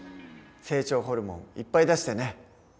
成長ホルモンいっぱい出してね。